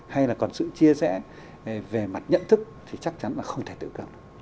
hay là còn sự chia sẻ về mặt nhận thức thì chắc chắn là không thể tự cường